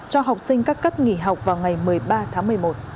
cho học sinh các cấp nghỉ học vào ngày một mươi ba tháng một mươi một